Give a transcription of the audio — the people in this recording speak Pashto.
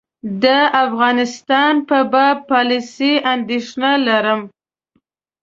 د افغانستان په باب پالیسي اندېښنه لرم.